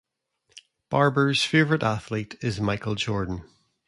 Barber's favorite athlete is Michael Jordan.